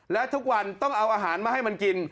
และทุกวันต้องเอาอาหารมาให้มันกิน